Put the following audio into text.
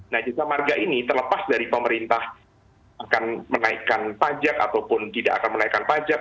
nah jasa marga ini terlepas dari pemerintah akan menaikkan pajak ataupun tidak akan menaikkan pajak